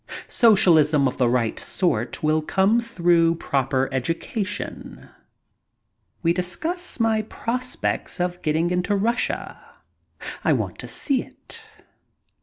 Socialism of the right sort will come through proper education. We discuss my prospects of getting into Russia. I want to see it.